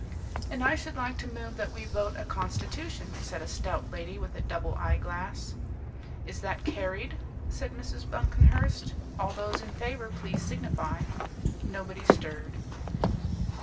"And I should like to move that we vote a constitution," said a stout lady with a double eye glass. "Is that carried?" said Mrs. Buncomhearst. "All those in favour please signify." Nobody stirred.